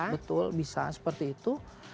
betul bisa seperti itu